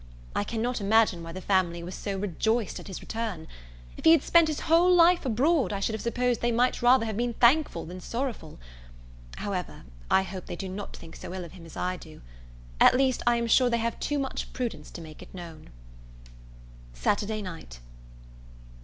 I cannot imagine why the family was so rejoiced at his return. If he had spent his whole life abroad, I should have supposed they might rather have been thankful than sorrowful. However, I hope they do not think so ill of him as I do. At least, I am sure they have too much prudence to make it known. Saturday Night.